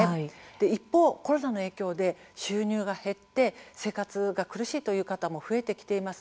一方、コロナの影響で収入が減って生活が苦しいという方も増えてきています。